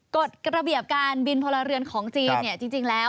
กฎระเบียบการบินพลเรือนของจีนจริงแล้ว